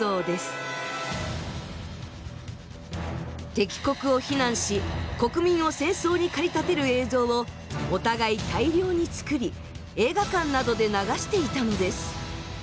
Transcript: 敵国を非難し国民を戦争に駆り立てる映像をお互い大量に作り映画館などで流していたのです。